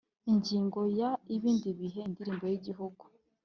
Ingingo ya Ibindi bihe indirimbo y Igihugu